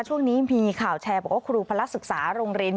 ช่วงนี้มีข่าวแชร์บอกว่าครูพระศึกษาโรงเรียน